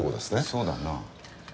そうだなぁ。